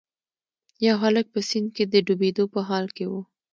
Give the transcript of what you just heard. یو هلک په سیند کې د ډوبیدو په حال کې و.